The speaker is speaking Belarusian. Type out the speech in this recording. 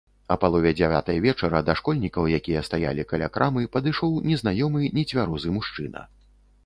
А палове дзявятай вечара да школьнікаў, якія стаялі каля крамы, падышоў незнаёмы нецвярозы мужчына.